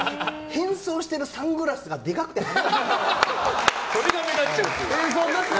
変装してるサングラスがでかくて派手なんですよ。